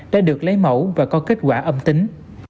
đã được lấy mẫu và có kết quả âm tính